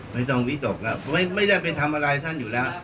ไม่ต้องวิตกแล้วไม่ได้ไปทำอะไรท่านอยู่แล้ว